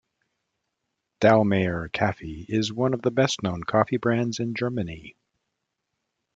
"Dallmayr Kaffee" is one of the best-known coffee brands in Germany.